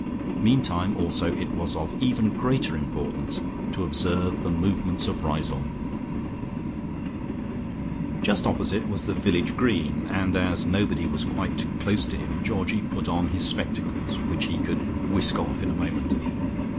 Meantime also, it was of even greater importance to observe the movements of Riseholme. Just opposite was the village green, and as nobody was quite close to him Georgie put on his spectacles, which he could whisk off in a moment.